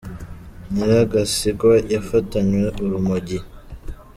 Nyiragasigwa yafatanywe urumogi